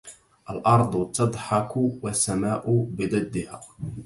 الأرض تضحك والسماء بضدها